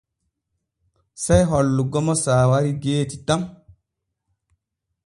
Sey hollugo mo saawari geeti tan.